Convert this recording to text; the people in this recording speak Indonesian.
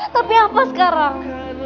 tapi apa sekarang